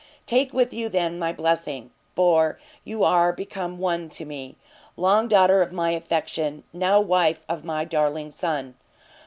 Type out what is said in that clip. Take with you, then, my blessing, for you are become one to me! long daughter of my affection, now wife of my darling son!